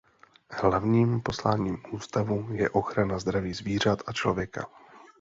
Hlavním posláním ústavu je ochrana zdraví zvířat a člověka.